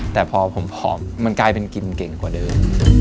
แต่พอผมผอมมันกลายเป็นกินเก่งกว่าเดิม